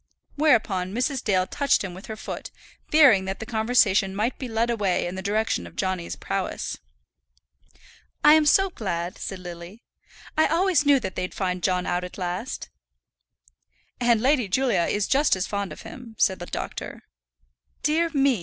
Whereupon Mrs. Dale touched him with her foot, fearing that the conversation might be led away in the direction of Johnny's prowess. "I am so glad," said Lily. "I always knew that they'd find John out at last." "And Lady Julia is just as fond of him," said the doctor. "Dear me!"